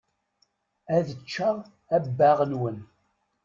Ad ččeɣ abbaɣ-nwen.